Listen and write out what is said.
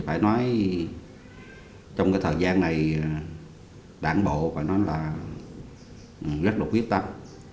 phải nói trong cái thời gian này đảng bộ phải nói là rất là quyết tâm